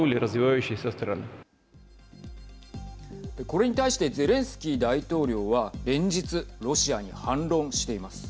これに対してゼレンスキー大統領は連日、ロシアに反論しています。